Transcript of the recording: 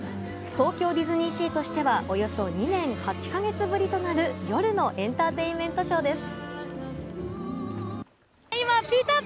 東京ディズニーシーとしてはおよそ２年８か月ぶりとなる夜のエンターテインメントショーです。